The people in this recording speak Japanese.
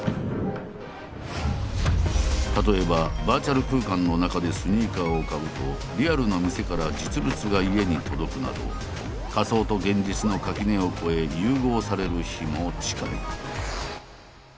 例えばバーチャル空間の中でスニーカーを買うとリアルな店から実物が家に届くなど仮想と現実の垣根を越え融合される日も近い。